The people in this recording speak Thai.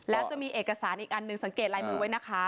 แล้วจะมีเอกสารอีกอันหนึ่งสังเกตลายมือไว้นะคะ